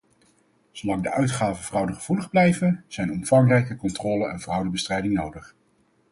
Zo lang de uitgaven fraudegevoelig blijven, zijn omvangrijke controle en fraudebestrijding nodig.